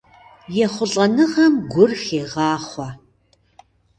ЕхъулӀэныгъэм гур хегъахъуэ.